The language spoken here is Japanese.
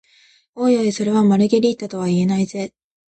おいおい、それはマルゲリータとは言えないぜ？